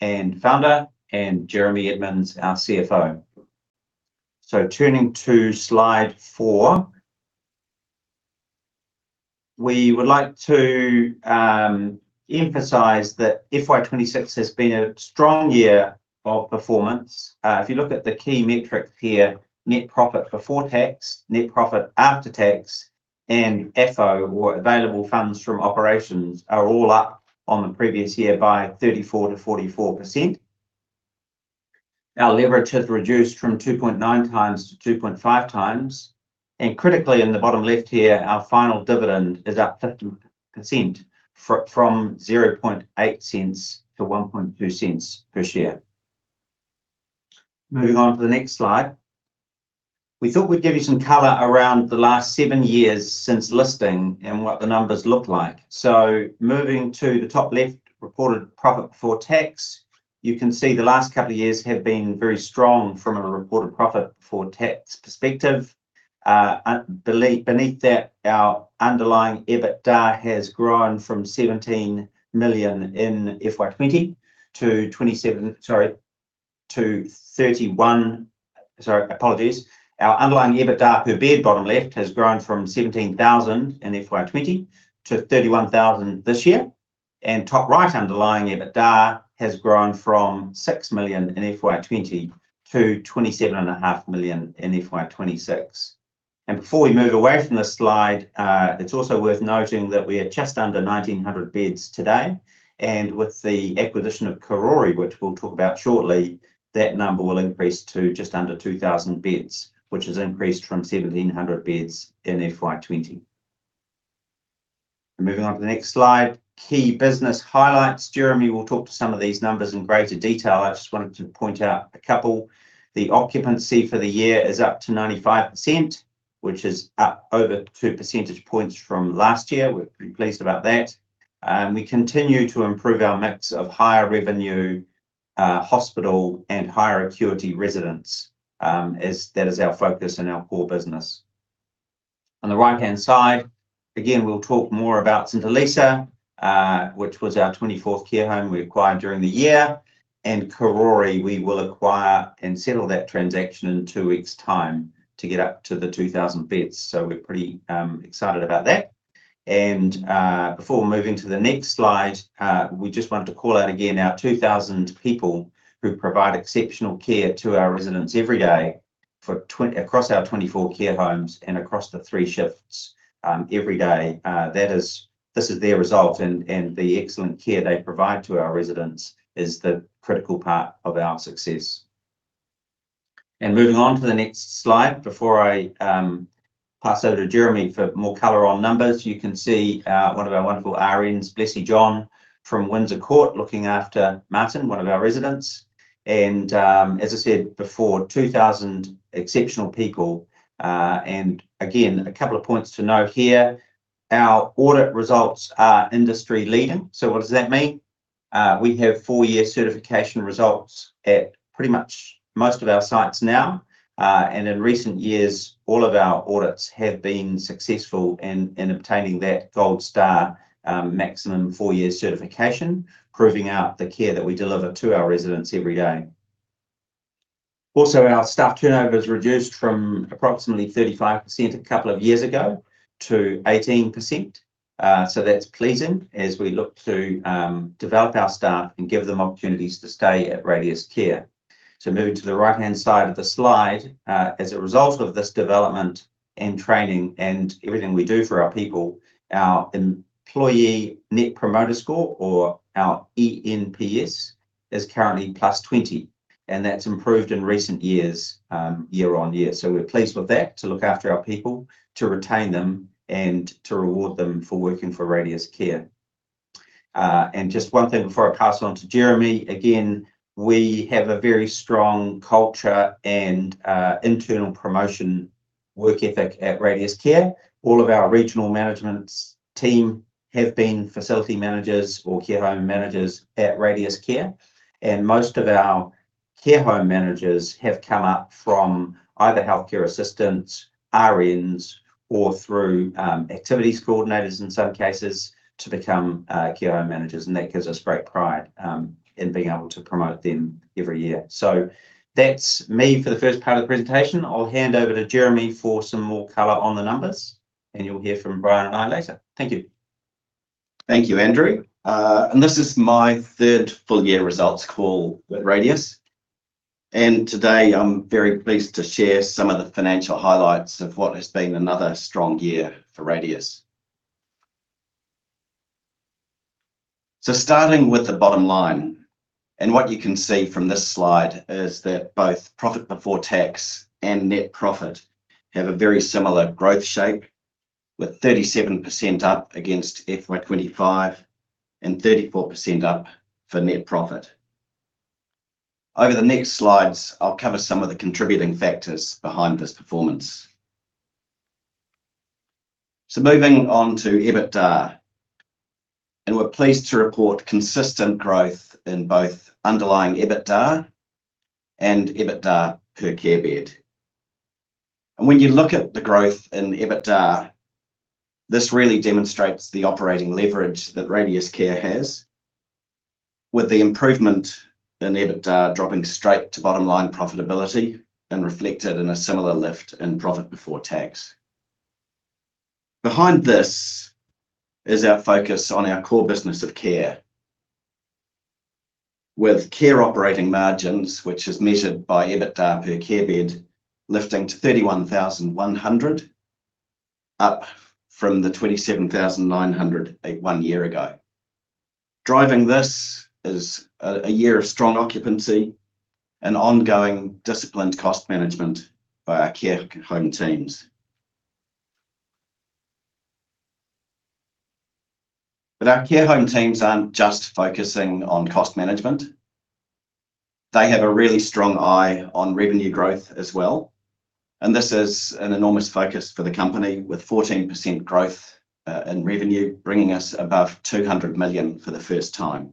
Founder and Jeremy Edmonds, our CFO. Turning to slide four. We would like to emphasize that FY 2026 has been a strong year of performance. If you look at the key metrics here, net profit before tax, net profit after tax and AFFO or available funds from operations are all up on the previous year by 34%-44%. Our leverage has reduced from 2.9x-2.5x. Critically, in the bottom left here, our final dividend is up 50% from 0.08-1.2 per share. Moving on to the next slide. We thought we'd give you some color around the last seven-years since listing and what the numbers look like. Moving to the top left, reported profit before tax. You can see the last couple of years have been very strong from a reported profit before tax perspective. Beneath that, our underlying EBITDA has grown from 17 million in FY 2020 to 31 million. Our underlying EBITDA per bed, bottom left, has grown from 17,000 in FY 2020 to 31,000 this year. Top right, underlying EBITDA has grown from 6 million in FY 2020 to 27.5 million in FY 2026. Before we move away from this slide, it's also worth noting that we are just under 1,900 beds today, and with the acquisition of Karori, which we'll talk about shortly, that number will increase to just under 2,000 beds, which has increased from 1,700 beds in FY 2020. Moving on to the next slide. Key business highlights. Jeremy will talk to some of these numbers in greater detail. I just wanted to point out a couple. The occupancy for the year is up to 95%, which is up over 2 percentage points from last year. We're pretty pleased about that. We continue to improve our mix of higher revenue, hospital and higher acuity residents, as that is our focus and our core business. On the right-hand side, again, we'll talk more about St Allisa, which was our 24th care home we acquired during the year. Karori, we will acquire and settle that transaction in two-week's time to get up to the 2,000 beds. We're pretty excited about that. Before moving to the next slide, we just wanted to call out again our 2,000 people who provide exceptional care to our residents every day across our 24 care homes and across the three shifts every day. This is their result and the excellent care they provide to our residents is the critical part of our success. Moving on to the next slide, before I pass over to Jeremy for more color on numbers, you can see one of our wonderful RNs, Blessie John from Radius Windsor Court, looking after Martin, one of our residents. As I said before, 2,000 exceptional people. Again, a couple of points to note here. Our audit results are industry-leading. What does that mean? We have four-years certification results at pretty much most of our sites now. And in recent years, all of our audits have been successful in obtaining that gold star, maximum four-year certification, proving out the care that we deliver to our residents every day. Also, our staff turnover has reduced from approximately 35% a couple of years ago to 18%. That's pleasing as we look to develop our staff and give them opportunities to stay at Radius Care. Moving to the right-hand side of the slide. As a result of this development and training and everything we do for our people, our employee Net Promoter Score, or our eNPS, is currently +20, and that's improved in recent years, year-on-year. We're pleased with that, to look after our people, to retain them and to reward them for working for Radius Care. Just one thing before I pass it on to Jeremy. Again, we have a very strong culture and internal promotion work ethic at Radius Care. All of our regional management team have been facility managers or care home managers at Radius Care, and most of our care home managers have come up from either healthcare assistants, RNs, or through activities coordinators in some cases to become care home managers. That gives us great pride in being able to promote them every year. That's me for the first part of the presentation. I'll hand over to Jeremy for some more color on the numbers, and you'll hear from Brien and I later. Thank you. Thank you, Andrew. This is my third full-year results call with Radius. Today, I'm very pleased to share some of the financial highlights of what has been another strong year for Radius. Starting with the bottom line, what you can see from this slide is that both profit before tax and net profit have a very similar growth shape with 37% up against FY 2025 and 34% up for net profit. Over the next slides, I'll cover some of the contributing factors behind this performance. Moving on to EBITDA, we're pleased to report consistent growth in both underlying EBITDA and EBITDA per care bed. When you look at the growth in EBITDA, this really demonstrates the operating leverage that Radius Care has with the improvement in EBITDA dropping straight to bottom line profitability and reflected in a similar lift in profit before tax. Behind this is our focus on our core business of care. With care operating margins, which is measured by EBITDA per care bed, lifting to 31,100, up from 27,900 one-year ago. Driving this is a year of strong occupancy and ongoing disciplined cost management by our care home teams. Our care home teams aren't just focusing on cost management. They have a really strong eye on revenue growth as well. This is an enormous focus for the company, with 14% growth in revenue, bringing us above 200 million for the first time.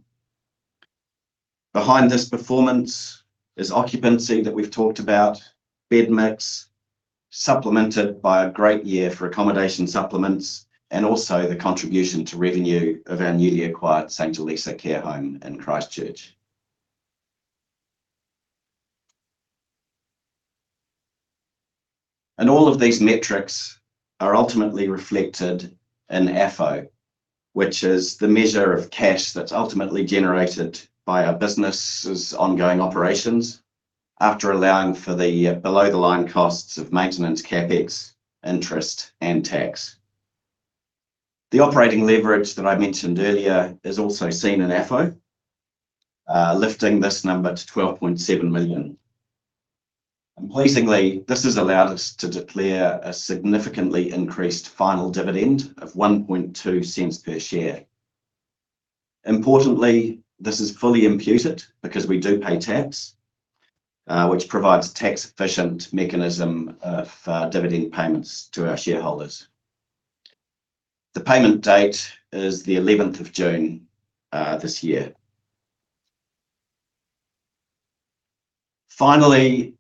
Behind this performance is occupancy that we've talked about, bed mix, supplemented by a great year for Accommodation Supplements. Also, the contribution to revenue of our newly acquired St Allisa care home in Christchurch. All of these metrics are ultimately reflected in AFFO, which is the measure of cash that's ultimately generated by our business's ongoing operations after allowing for the below-the-line costs of maintenance, CapEx, interest, and tax. The operating leverage that I mentioned earlier is also seen in AFFO, lifting this number to 12.7 million. Pleasingly, this has allowed us to declare a significantly increased final dividend of 1.2 per share. Importantly, this is fully imputed because we do pay tax, which provides a tax-efficient mechanism of dividend payments to our shareholders. The payment date is the 11th of June this year. Finally,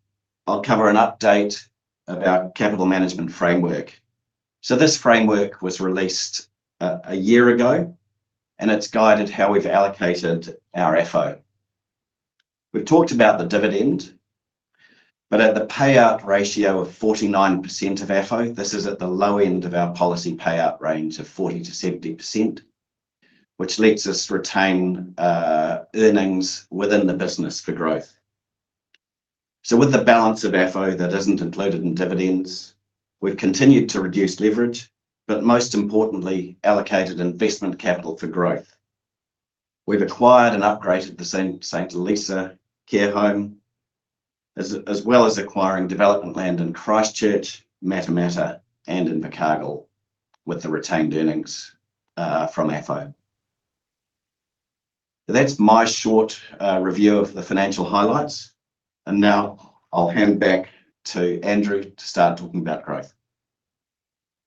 I'll cover an update about capital management framework. This framework was released a year ago, and it's guided how we've allocated our AFFO. We've talked about the dividend, but at the payout ratio of 49% of AFFO, this is at the low end of our policy payout range of 40%-70%, which lets us retain earnings within the business for growth. With the balance of AFFO that isn't included in dividends, we've continued to reduce leverage, but most importantly, allocated investment capital for growth. We've acquired and upgraded the St Allisa care home as well as acquiring development land in Christchurch, Matamata, and Invercargill with the retained earnings from AFFO. That's my short review of the financial highlights. Now I'll hand back to Andrew to start talking about growth.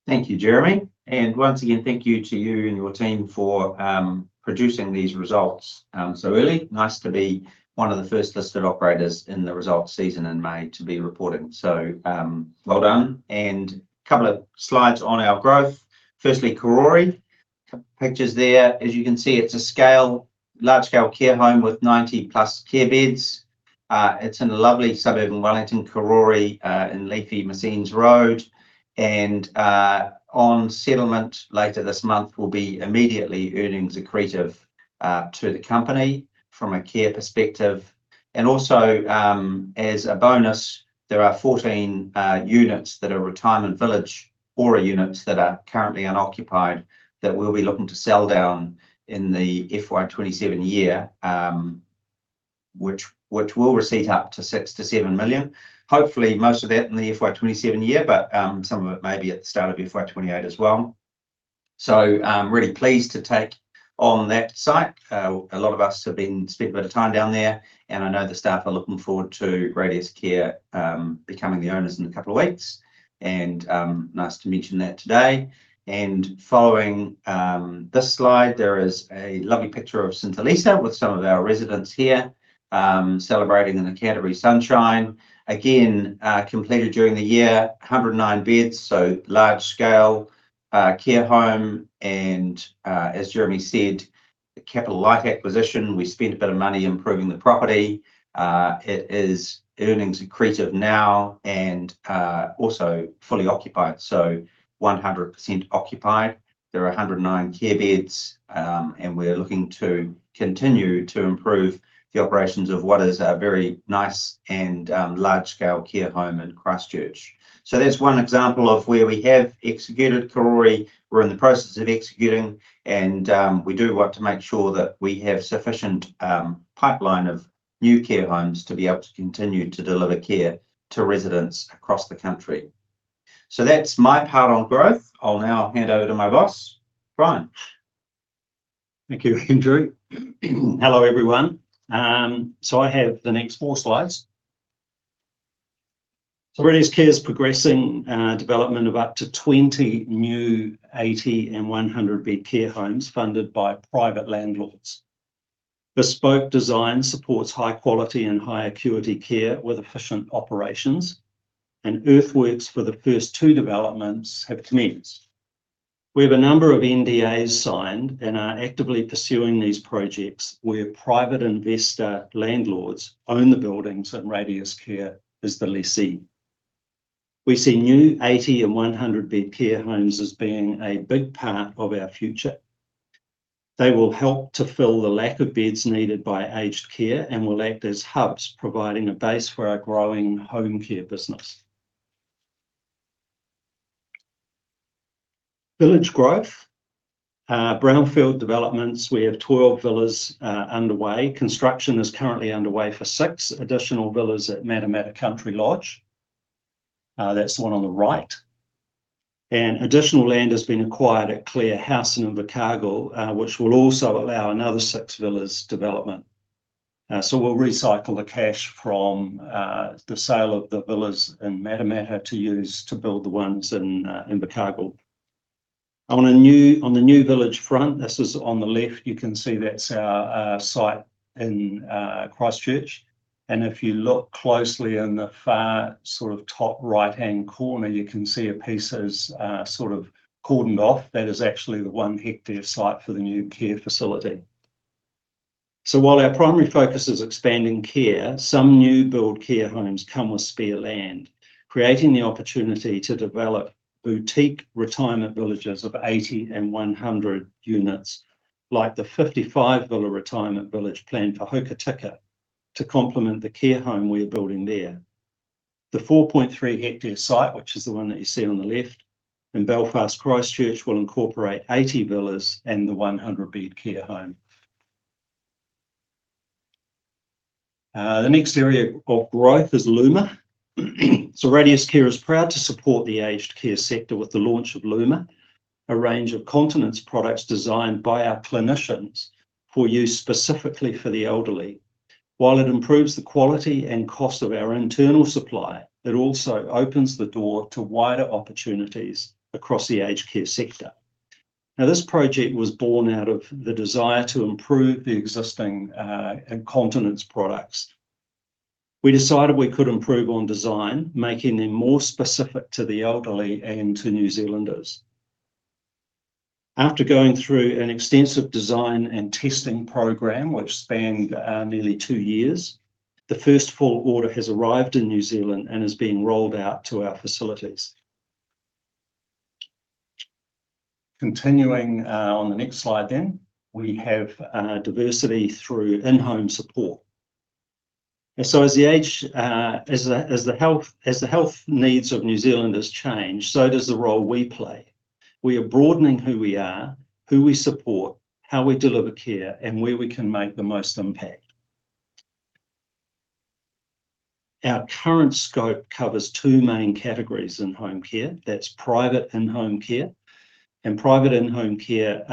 Thank you, Jeremy. Once again, thank you to you and your team for producing these results so early. Nice to be one of the first listed operators in the result season in May to be reporting. Well done. Couple of slides on our growth. Firstly, Karori. Pictures there. As you can see, it's a large-scale care home with 90+ care beds. It's in a lovely suburb in Wellington, Karori, in leafy Messines Road. On settlement later this month will be immediately earnings accretive to the company from a care perspective. Also, as a bonus, there are 14 units that are retirement village ORA units that are currently unoccupied that we'll be looking to sell down in the FY 2027 year, which will receipt up to 6 million-7 million. Hopefully, most of that in the FY 2027 year, but some of it may be at the start of FY 2028 as well. I'm really pleased to take on that site. A lot of us have spent a bit of time down there, and I know the staff are looking forward to Radius Care becoming the owners in a couple of weeks, and nice to mention that today. Following this slide, there is a lovely picture of St Allisa with some of our residents here, celebrating in the Canterbury sunshine. Again, completed during the year. 109 beds, so large scale care home and as Jeremy said, a capital light acquisition. We spent a bit of money improving the property. It is earnings accretive now and also fully occupied, so 100% occupied. There are 109 care beds. We're looking to continue to improve the operations of what is a very nice and large-scale care home in Christchurch. That's one example of where we have executed Karori. We're in the process of executing and we do want to make sure that we have sufficient pipeline of new care homes to be able to continue to deliver care to residents across the country. That's my part on growth. I'll now hand over to my boss, Brien. Thank you, Andrew. Hello, everyone. I have the next four slides. Radius Care is progressing development of up to 20 new 80 and 100 bed care homes funded by private landlords. Bespoke design supports high quality and high acuity care with efficient operations. Earthworks for the first two developments have commenced. We have a number of NDAs signed and are actively pursuing these projects where private investor landlords own the buildings and Radius Care is the lessee. We see new 80 and 100 bed care homes as being a big part of our future. They will help to fill the lack of beds needed by aged care and will act as hubs, providing a base for our growing home care business. Village growth. Brownfield developments, we have 12 villas underway. Construction is currently underway for six additional villas at Matamata Country Lodge. That's the one on the right. Additional land has been acquired at Clare House in Invercargill, which will also allow another six villas development. We'll recycle the cash from the sale of the villas in Matamata to use to build the ones in Invercargill. On the new village front, this is on the left, you can see that's our site in Christchurch. If you look closely in the far sort of top right-hand corner, you can see a piece is sort of cordoned off. That is actually the 1 hectare site for the new care facility. While our primary focus is expanding care, some new build care homes come with spare land, creating the opportunity to develop boutique retirement villages of 80 and 100 units, like the 55 villa retirement village planned for Hokitika, to complement the care home we are building there. The 4.3 hectare site, which is the one that you see on the left, in Belfast, Christchurch, will incorporate 80 villas and the 100 bed care home. The next area of growth is Luma. Radius Care is proud to support the aged care sector with the launch of Luma, a range of continence products designed by our clinicians for use specifically for the elderly. While it improves the quality and cost of our internal supply, it also opens the door to wider opportunities across the aged care sector. This project was born out of the desire to improve the existing incontinence products. We decided we could improve on design, making them more specific to the elderly and to New Zealanders. After going through an extensive design and testing program, which spanned nearly two-years, the first full order has arrived in New Zealand and is being rolled out to our facilities. On the next slide, we have diversity through in-home support. As the health needs of New Zealanders change, so does the role we play. We are broadening who we are, who we support, how we deliver care, and where we can make the most impact. Our current scope covers two main categories in home care. That's private in-home care, and private in-home care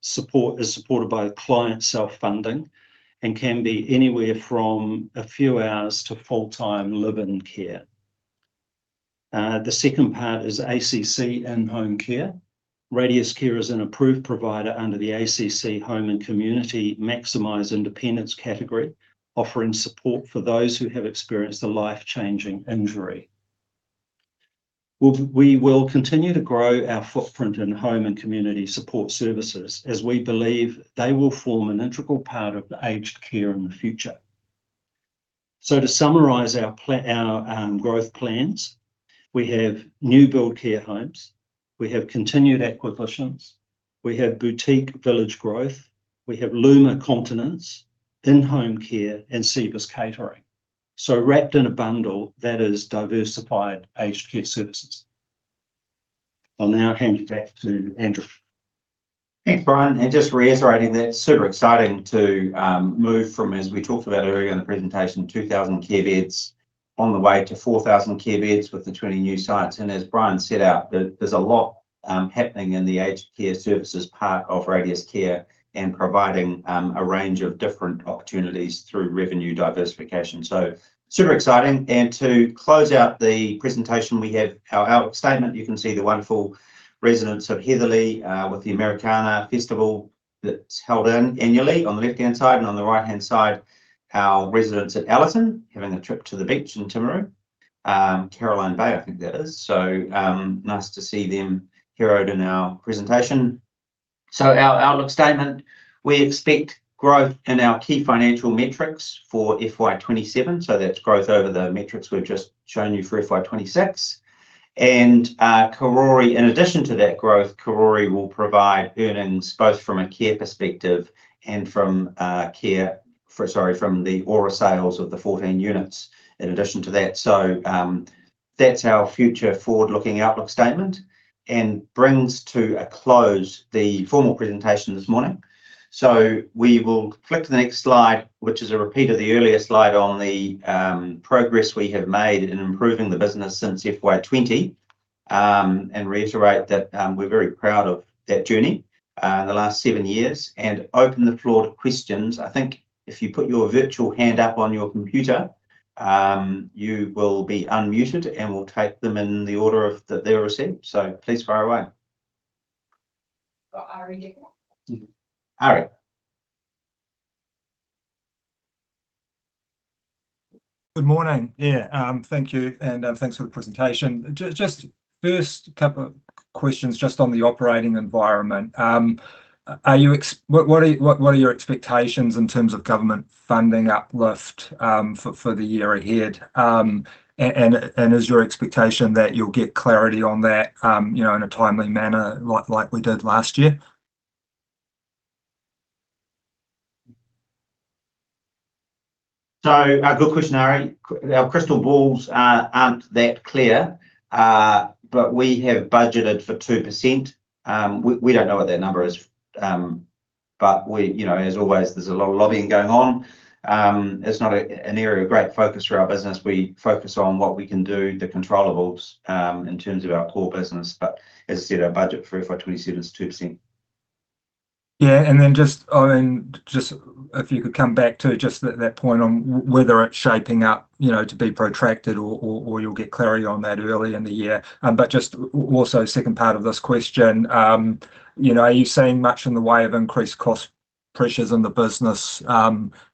support, is supported by client self-funding and can be anywhere from a few hours to full-time live-in care. The second part is ACC in-home care. Radius Care is an approved provider under the ACC Home and Community Maximum Independence contract, offering support for those who have experienced a life-changing injury. We will continue to grow our footprint in home and community support services as we believe they will form an integral part of aged care in the future. To summarize our growth plans, we have new build care homes, we have continued acquisitions, we have boutique village growth, we have Luma continence, in-home care, and Cibus Catering. Wrapped in a bundle that is diversified aged care services. I'll now hand you back to Andrew. Thanks, Brien. Just reiterating that, super exciting to move from, as we talked about earlier in the presentation, 2,000 care beds on the way to 4,000 care beds with the 20 new sites. As Brien set out, there's a lot happening in the aged care services part of Radius Care and providing a range of different opportunities through revenue diversification. Super exciting. To close out the presentation, we have our outlook statement. You can see the wonderful residents of Heatherlea with the AmeriCARna Festival that's held annually on the left-hand side. On the right-hand side, our residents at Allison having a trip to the beach in Timaru. Caroline Bay, I think that is. Nice to see them here out in our presentation. Our outlook statement, we expect growth in our key financial metrics for FY 2027. That's growth over the metrics we've just shown you for FY 2026. Karori, in addition to that growth, Karori will provide earnings both from a care perspective and from the ORA sales of the 14 units in addition to that. That's our future forward-looking outlook statement and brings to a close the formal presentation this morning. We will click to the next slide, which is a repeat of the earlier slide on the progress we have made in improving the business since FY 2020. And reiterate that we're very proud of that journey, the last seven-years, and open the floor to questions. I think if you put your virtual hand up on your computer, you will be unmuted, and we'll take them in the order of that they were received. Please fire away Got Ari next. Ari. Good morning. Yeah, thank you, and thanks for the presentation. Just first couple of questions just on the operating environment. What are your expectations in terms of government funding uplift for the year ahead? Is your expectation that you'll get clarity on that, you know, in a timely manner like we did last year? A good question, Ari. Our crystal balls aren't that clear. We have budgeted for 2%. We don't know what that number is, you know, as always, there's a lot of lobbying going on. It's not an area of great focus for our business. We focus on what we can do, the controllables, in terms of our core business. As I said, our budget for FY 2027 is 2%. Yeah. Andrew, just if you could come back to just that point on whether it's shaping up, you know, to be protracted or you'll get clarity on that early in the year. Just also second part of this question, you know, are you seeing much in the way of increased cost pressures in the business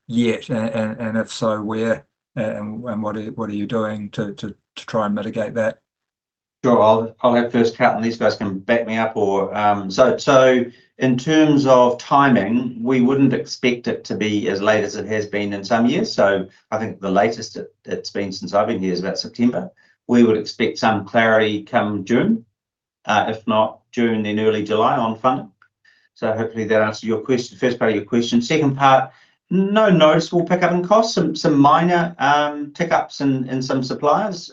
yet? If so, where? What are you doing to try and mitigate that? Sure. I'll have first count and these guys can back me up or in terms of timing, we wouldn't expect it to be as late as it has been in some years. I think the latest it's been since I've been here is about September. We would expect some clarity come June, if not June, then early July on funding. Hopefully that answers your question, first part of your question. Second part, no noticeable pickup in cost. Some minor tick-ups in some suppliers.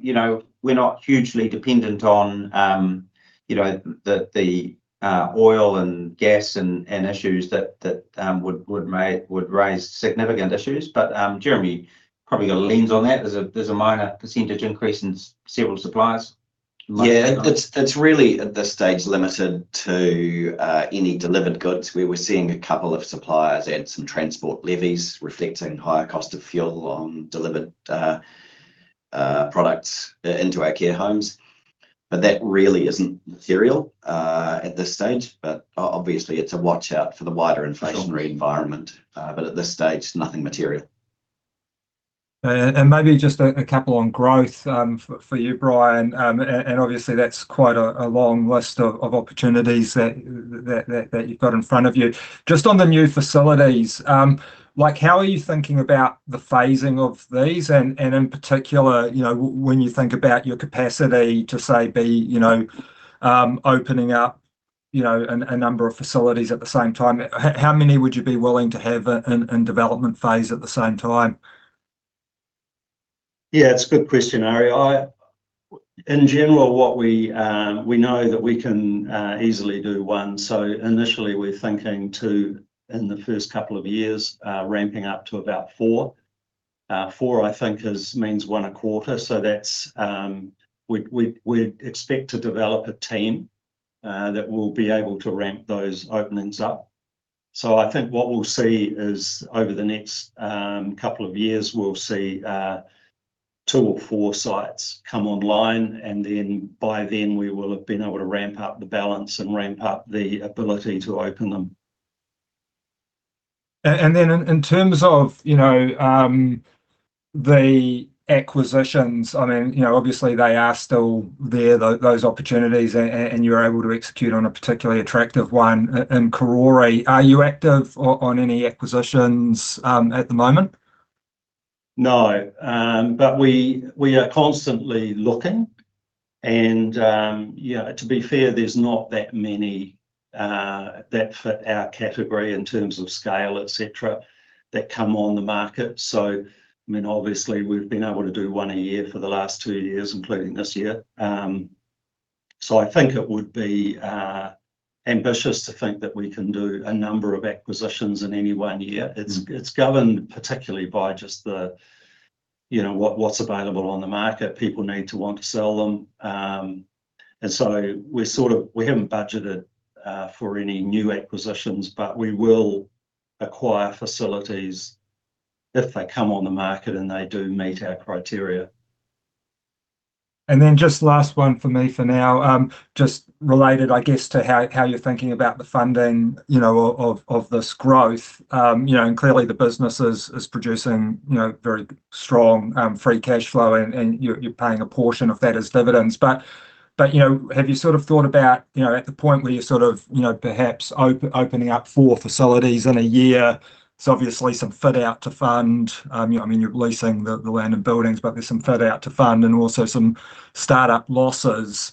You know, we're not hugely dependent on, you know, the oil and gas and issues that would raise significant issues. Jeremy probably got a lens on that. There's a minor percentage increase in several suppliers. Yeah. It's really, at this stage, limited to any delivered goods where we're seeing a couple of suppliers add some transport levies reflecting higher cost of fuel on delivered products into our care homes. That really isn't material at this stage. Obviously, it's a watch-out for the wider inflationary- Sure environment. At this stage, nothing material. Maybe just a couple on growth, for you, Brien. Obviously that's quite a long list of opportunities that you've got in front of you. Just on the new facilities, like, how are you thinking about the phasing of these? In particular, you know, when you think about your capacity to, say, be, you know, opening up, you know, a number of facilities at the same time, how many would you be willing to have in development phase at the same time? Yeah, it's a good question, Ari. In general, what we know that we can easily do one. Initially we are thinking two in the first couple of years, ramping up to about four. Four, I think is, means one a quarter. That's, we'd expect to develop a team that will be able to ramp those openings up. I think what we'll see is over the next couple of years, we'll see two or four sites come online, and then by then we will have been able to ramp up the balance and ramp up the ability to open them. Then in terms of, you know, the acquisitions, I mean, you know, obviously they are still there, those opportunities and you're able to execute on a particularly attractive one in Karori. Are you active on any acquisitions at the moment? No. We are constantly looking and, you know, to be fair, there's not that many that fit our category in terms of scale, et cetera, that come on the market. I mean, obviously we've been able to do one a year for the last two-years, including this year. I think it would be ambitious to think that we can do a number of acquisitions in any one-year. It's governed particularly by just the, you know, what's available on the market. People need to want to sell them. So, we're sort of, we haven't budgeted for any new acquisitions, but we will acquire facilities if they come on the market and they do meet our criteria. Just last one for me for now. Just related, I guess, to how you're thinking about the funding, you know, of this growth. You know, clearly the business is producing, you know, very strong free cashflow and you're paying a portion of that as dividends. You know, have you sort of thought about, you know, at the point where you're sort of, you know, perhaps opening up four facilities in a year, there's obviously some fit out to fund. You know, I mean, you're leasing the land and buildings, but there's some fit out to fund, and also some startup losses.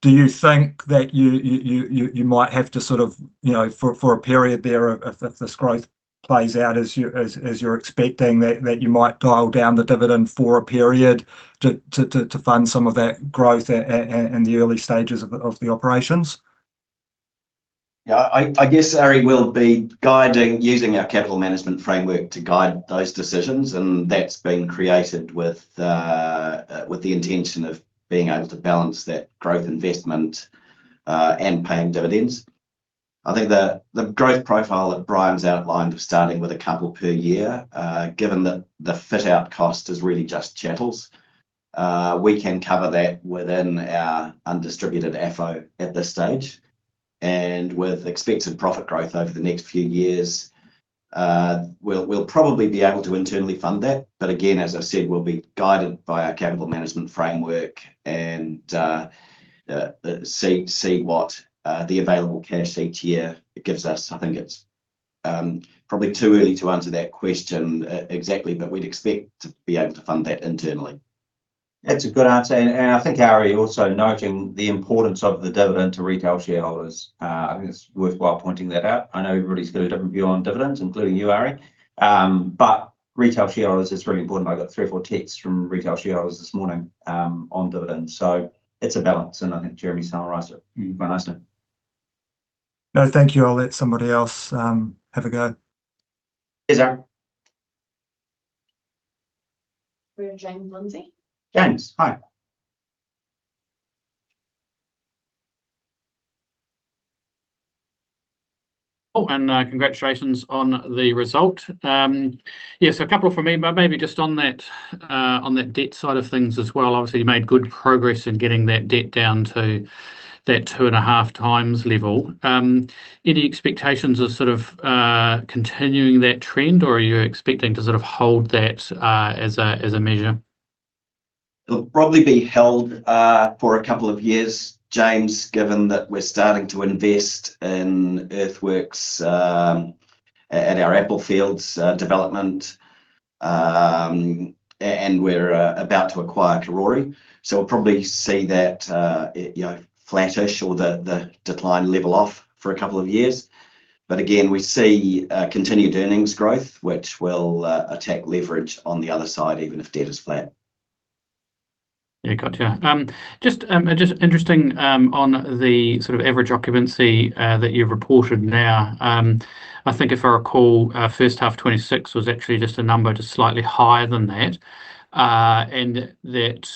Do you think that you might have to sort of, you know, for a period there, if this growth plays out as you're expecting, that you might dial down the dividend for a period to fund some of that growth and the early stages of the operations? I guess, Ari, we'll be guiding, using our capital management framework to guide those decisions, and that's been created with the intention of being able to balance that growth investment and paying dividends. I think the growth profile that Brien's outlined of starting with a couple per year, given that the fit-out cost is really just chattels, we can cover that within our undistributed FO at this stage. With expected profit growth over the next few years, we'll probably be able to internally fund that. Again, as I said, we'll be guided by our capital management framework and see what the available cash each year gives us. I think it's probably too early to answer that question exactly, but we'd expect to be able to fund that internally. That's a good answer. I think Ari also noting the importance of the dividend to retail shareholders, I think it's worthwhile pointing that out. I know everybody's got a different view on dividends, including you, Ari. Retail shareholders, it's really important. I got three or four texts from retail shareholders this morning on dividends. It's a balance, and I think Jeremy summarized it quite nicely. No, thank you. I'll let somebody else have a go. Please. We have James Lindsay. James, hi. Congratulations on the result. A couple from me, maybe just on that debt side of things as well. Obviously, you made good progress in getting that debt down to that two and a half times level. Any expectations of sort of continuing that trend, or are you expecting to sort of hold that as a measure? It'll probably be held for a couple of years, James, given that we're starting to invest in earthworks at our Applefields development. And we're about to acquire Karori. We'll probably see that, you know, flattish or the decline level off for a couple of years. Again, we see continued earnings growth, which will attack leverage on the other side, even if debt is flat. Yeah. Gotcha. Just interesting on the sort of average occupancy that you've reported now. I think if I recall, first half 2026 was actually just a number just slightly higher than that. That,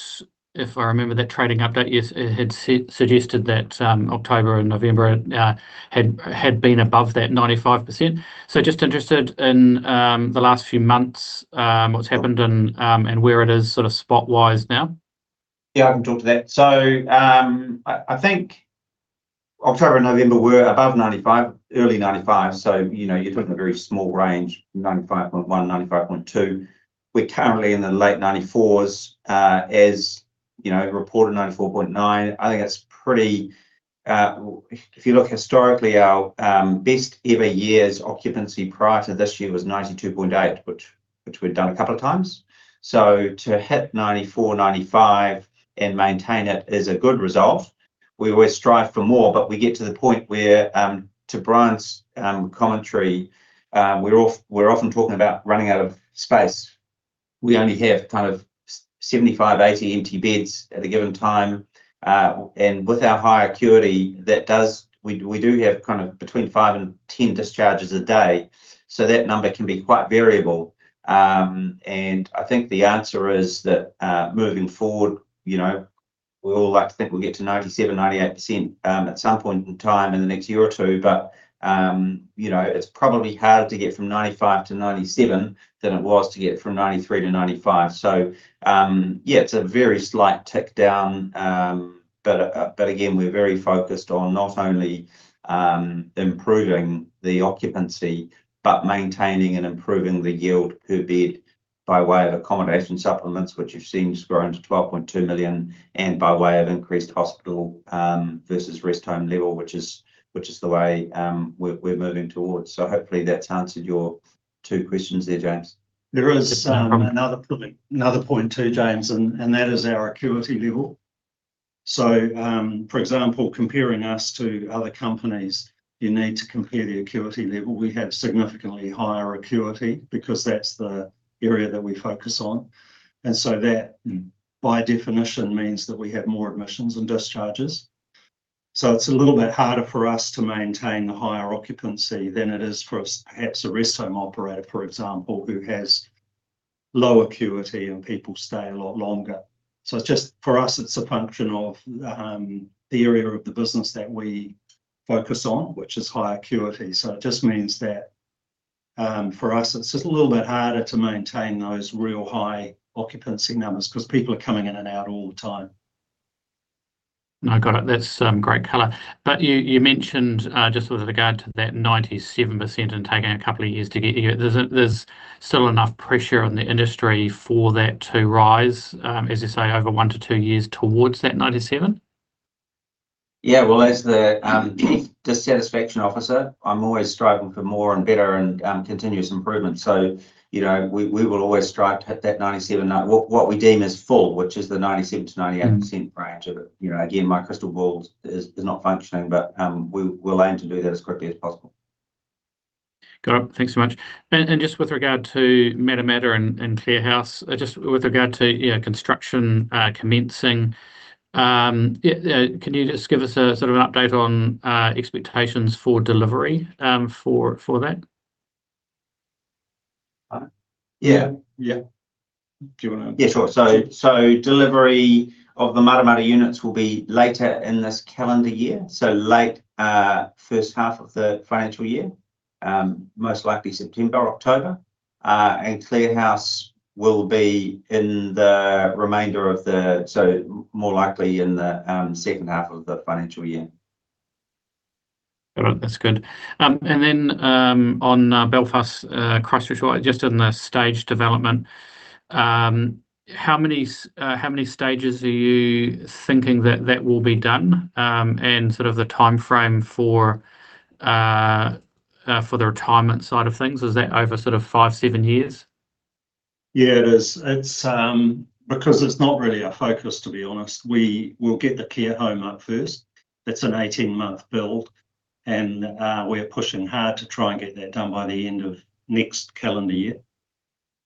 if I remember that trading update, yes, it had suggested that October and November had been above that 95%. Just interested in the last few months, what's happened and where it is sort of spot wise now. Yeah, I can talk to that. I think October and November were above 95%, early 95%. You know, you're talking a very small range, 95.1%, 95.2%. We're currently in the late 94%. As, you know, reported 94.9%. I think that's pretty. If you look historically, our best ever year's occupancy prior to this year was 92.8%, which we'd done a couple of times. To hit 94%, 95% and maintain it is a good result. We always strive for more, but we get to the point where, to Brien's commentary, we're often talking about running out of space. We only have kind of 75, 80 empty beds at a given time. With our high acuity we do have kind of between five and 10 discharges a day, so that number can be quite variable. I think the answer is that, moving forward, you know, we all like to think we'll get to 97%, 98%, at some point in time in the next year or two. You know, it's probably harder to get from 95%-97% than it was to get from 93%-95%. Yeah, it's a very slight tick down. Again, we're very focused on not only improving the occupancy, but maintaining and improving the yield per bed by way of Accommodation Supplements, which you've seen has grown to 12.2 million, and by way of increased hospital versus rest home level, which is the way we're moving towards. Hopefully that's answered your two questions there, James. There is. No problem. Another point too, James, and that is our acuity level. For example, comparing us to other companies, you need to compare the acuity level. We have significantly higher acuity because that's the area that we focus on. That by definition means that we have more admissions than discharges. It's a little bit harder for us to maintain the higher occupancy than it is for perhaps a rest home operator, for example, who has low acuity and people stay a lot longer. It's just for us, it's a function of the area of the business that we focus on, which is high acuity. It just means that, for us, it's just a little bit harder to maintain those real high occupancy numbers 'cause people are coming in and out all the time. No, got it. That's great color. You mentioned, just with regard to that 97% and taking a couple of years to get here, there's still enough pressure on the industry for that to rise, as you say, over one to two years towards that 97%? Yeah. Well, as the dissatisfaction officer, I'm always striving for more and better and continuous improvement. You know, we will always strive to hit that 97%, what we deem as full, which is the 97%-98% range of it. You know, again, my crystal ball is not functioning, but we'll aim to do that as quickly as possible. Got it. Thanks so much. Just with regard to Matamata and Clare House, just with regard to, you know, construction commencing, yeah, can you just give us a sort of update on expectations for delivery for that? Yeah. Yeah. Yeah, sure. Delivery of the Matamata units will be later in this calendar year, so late, first half of the financial year, most likely September or October. Clare House will be more likely in the second half of the financial year. All right. That's good. On Belfast, Christchurch, just on the stage development, how many stages are you thinking that that will be done? Sort of the timeframe for the retirement side of things, is that over sort of five, seven years? Yeah, it is. It's because it's not really our focus, to be honest. We will get the care home up first. That's an 18-month build and we're pushing hard to try and get that done by the end of next calendar year.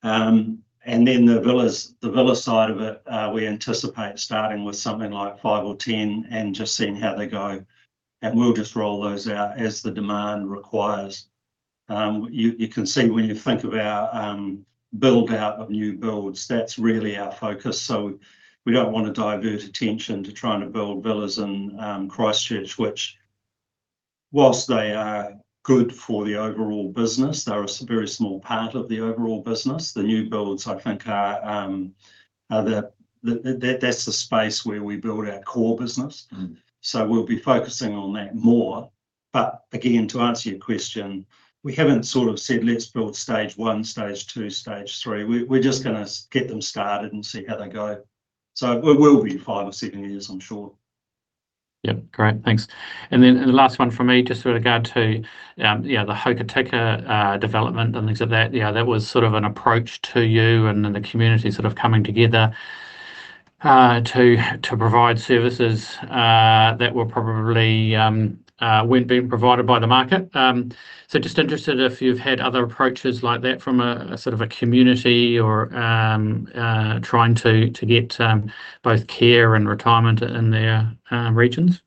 Then the villas, the villa side of it, we anticipate starting with something like five or 10 and just seeing how they go, and we'll just roll those out as the demand requires. You, you can see when you think of our build-out of new builds, that's really our focus. We don't want to divert attention to trying to build villas in Christchurch, which whilst they are good for the overall business, they're a very small part of the overall business. The new builds, I think are the, that's the space where we build our core business. We'll be focusing on that more. Again, to answer your question, we haven't sort of said, "Let's build stage one, stage two, stage three." We're just gonna get them started and see how they go. It will be five or seven years, I'm sure. Great. Thanks. The last one from me, just sort of go to the Hokitika development and things like that. That was sort of an approach to you and then the community sort of coming together to provide services that were probably weren't being provided by the market. Just interested if you've had other approaches like that from a sort of a community or a trying to get both care and retirement in their regions.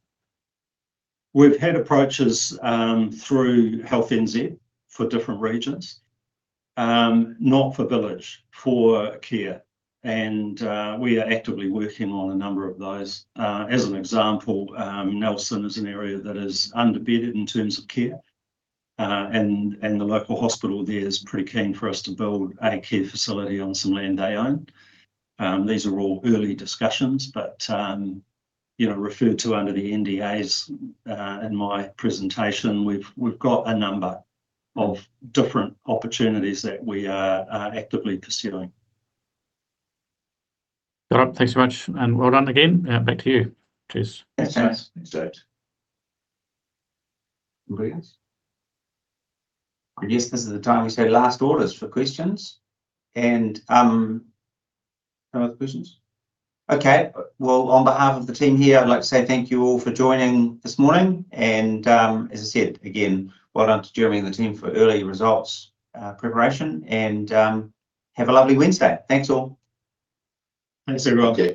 We've had approaches through Health NZ for different regions, not for village, for care and we are actively working on a number of those. As an example, Nelson is an area that is under-bedded in terms of care, and the local hospital there is pretty keen for us to build a care facility on some land they own. These are all early discussions, but, you know, referred to under the NDAs in my presentation, we've got a number of different opportunities that we are actively pursuing. All right. Thanks very much and well done again. Back to you. Cheers. Yeah. Thanks, James. I guess this is the time we say last orders for questions. No other questions? Okay. Well, on behalf of the team here, I'd like to say thank you all for joining this morning and, as I said, again, well done to Jeremy and the team for early results, preparation, and, have a lovely Wednesday. Thanks, all. Thanks, everyone.